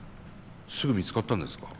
すぐ見つかったんですか？